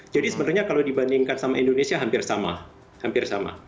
jadi sebenarnya kalau dibandingkan sama indonesia hampir sama